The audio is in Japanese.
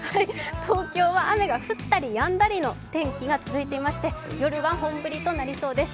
東京は雨が降ったりやんだりの天気が続いていまして、夜は本降りとなりそうです。